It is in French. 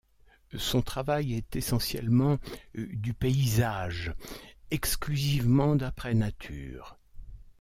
Son travail est essentiellement du paysage, exclusivement d'après nature.